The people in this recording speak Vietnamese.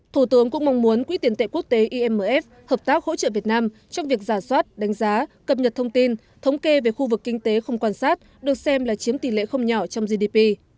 thủ tướng cũng mong muốn quỹ tiền tệ quốc tế imf hợp tác hỗ trợ việt nam trong việc giả soát đánh giá cập nhật thông tin thống kê về khu vực kinh tế không quan sát được xem là chiếm tỷ lệ không nhỏ trong gdp